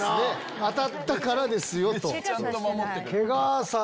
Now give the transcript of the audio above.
当たったからですよ！と。